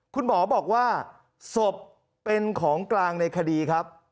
คุณหมอบอกว่าศพเป็นของกลางในคดีครับ